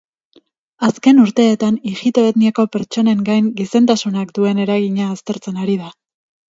Azken urteetan ijito-etniako pertsonen gain gizentasunak duen eragina aztertzen ari da.